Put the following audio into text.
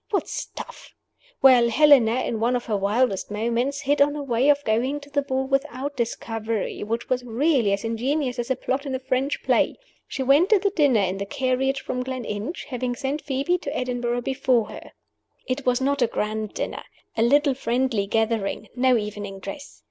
What stuff! Well, Helena, in one of her wildest moments, hit on a way of going to the ball without discovery which was really as ingenious as a plot in a French play. She went to the dinner in the carriage from Gleninch, having sent Phoebe to Edinburgh before her. It was not a grand dinner a little friendly gathering: no evening dress.